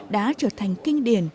đã trở thành kinh điển